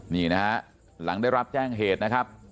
นี่นะฮะหลังได้รับแจ้งเหตุนะครับ